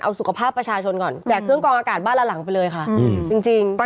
เอาสุขภาพประชาชนก่อนแจกเครื่องกองอากาศบ้านละหลังไปเลยค่ะจริงจริง